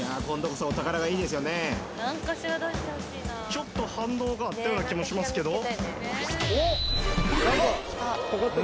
ちょっと反応があったような気もしますけどおっ！